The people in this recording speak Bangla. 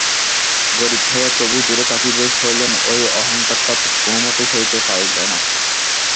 গরিব হইয়া তবু দূরে থাকিবে শৈলেন এই অহংকারটা কোনোমতেই সহিতে পারিল না।